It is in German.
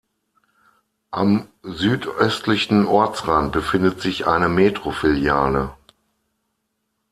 Am südöstlichen Ortsrand befindet sich eine Metro-Filiale.